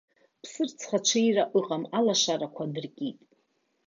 Ԥсырӡха ҽеира ыҟам, алашарақәа адыркит.